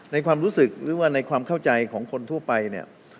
ความรู้สึกหรือว่าในความเข้าใจของคนทั่วไปเนี่ย